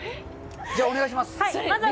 じゃあ、お願いします！